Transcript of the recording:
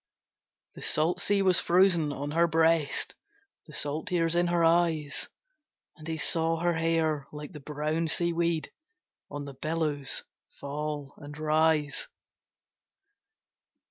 The salt sea was frozen on her breast, The salt tears in her eyes; And he saw her hair like the brown sea weed On the billows fall and rise.